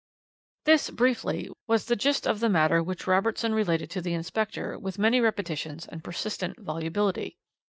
"This, briefly, was the gist of the matter which Robertson related to the inspector with many repetitions and persistent volubility.